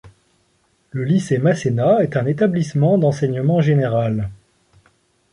Le lycée Masséna est un établissement d'enseignement général.